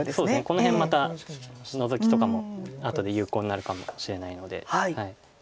この辺またノゾキとかも後で有効になるかもしれないので。